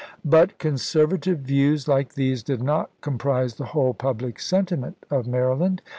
But conservative views like these did not com prise the whole public sentiment of Maryland.